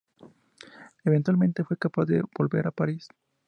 Eventualmente, fue capaz de volver a París.